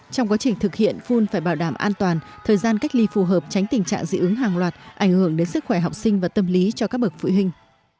trong quá trình thực hiện phun phải bảo đảm an toàn thời gian cách ly phù hợp tránh tình trạng dị ứng hàng loạt ảnh hưởng đến sức khỏe học sinh và tâm lý cho các bậc phụ huynh